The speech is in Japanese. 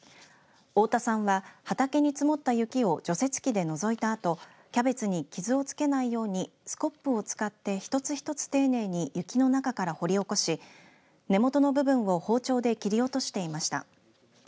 太田さんは、畑に積もった雪を除雪機でのぞいたあとキャベツに傷を付けないようにスコップを使って１つ１つ丁寧に雪の中から掘り起こし根元の部分を包丁で切り落としていました。